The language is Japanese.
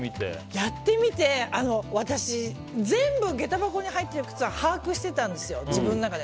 やってみて、私全部、下駄箱に入ってる靴は把握してたんですよ、自分の中で。